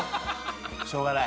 しょうがない。